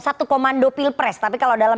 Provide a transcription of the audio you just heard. satu komando pilpres tapi kalau dalam